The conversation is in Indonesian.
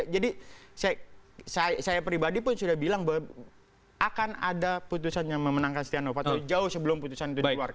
jadi saya pribadi pun sudah bilang bahwa akan ada putusan yang memenangkan stianofanto jauh sebelum putusan itu dikeluarkan